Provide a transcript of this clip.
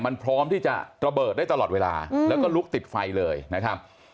มันพร้อมที่จะระเบิดได้ตลอดเวลาแล้วก็ลุกติดไฟเลยนะครับ